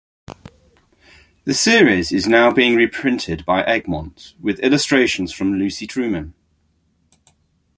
The series is now being reprinted by Egmont, with illustrations from Lucy Truman.